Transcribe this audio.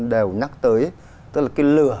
đều nhắc tới tức là cái lửa